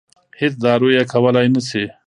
هېڅ دارو یې کولای نه شي.